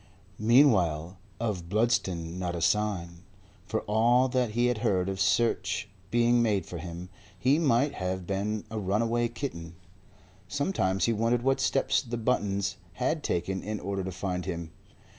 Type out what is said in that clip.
Meanwhile, of Bludston not a sign. For all that he had heard of search being made for him, he might have been a runaway kitten. Sometimes he wondered what steps the Buttons had taken in order to find him.